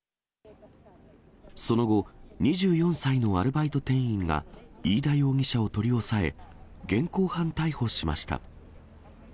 その後、２４歳のアルバイト店員が、飯田容疑者を取り押さえ、現行犯逮捕しました。